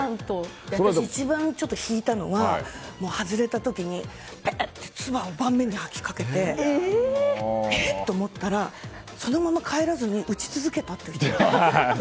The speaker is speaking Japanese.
私一番ちょっと引いたのが外れた時に唾を盤面に吐きかけてえ？と思ったらそのまま帰らずに打ち続けたっていう。